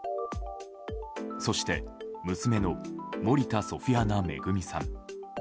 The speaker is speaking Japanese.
そして娘の森田ソフィアナ恵さん。